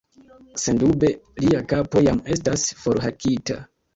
Sendube, lia kapo jam estas forhakita.